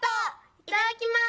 いただきます」。